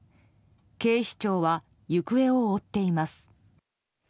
警視庁は行方を追っています。